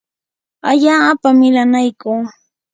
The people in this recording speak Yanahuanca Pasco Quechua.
allaapa milanaykuu.